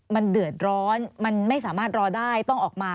มันเดือดร้อนมันไม่สามารถรอได้ต้องออกมา